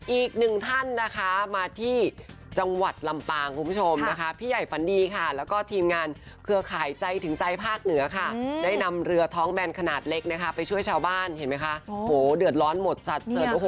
อีกหนึ่งท่านนะคะมาที่จังหวัดลำปางคุณผู้ชมนะคะพี่ใหญ่ฝันดีค่ะแล้วก็ทีมงานเครือข่ายใจถึงใจภาคเหนือค่ะได้นำเรือท้องแบนขนาดเล็กนะคะไปช่วยชาวบ้านเห็นไหมคะ